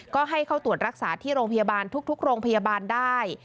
ก็ให้เข้าตรวจรักษาที่โรงพยาบาลทุกโรงพยาบาลได้